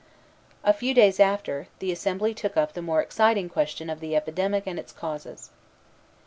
A few days after, the assembly took up the more exciting question of the epidemic and its causes.